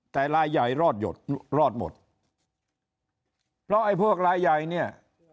แต่ลายใหญ่รอดหยดรอดหมดเพราะไอ้พวกลายใหญ่เนี่ย